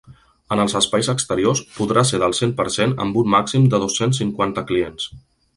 En els espais exteriors, podrà ser del cent per cent amb un màxim de dos-cents cinquanta clients.